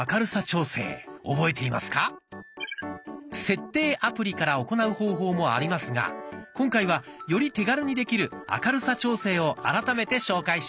「設定」アプリから行う方法もありますが今回はより手軽にできる明るさ調整を改めて紹介します。